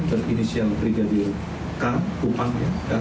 dari inisial brigadir k kupang